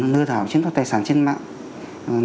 lưu thảo trên mạng